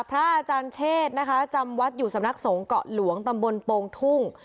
พระอาจารย์เชษนะคะจำวัดอยู่สำนักสงเกาะหลวงตำบลโปงทุ่ง